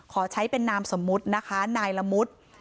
ขอใช้เป็นนามสมมุตินะคะนายละมุด